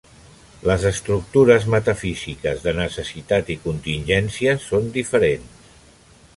Les estructures metafísiques de necessitat i contingència són diferents.